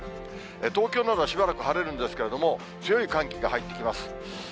東京などはしばらく晴れるんですけれども、強い寒気が入ってきます。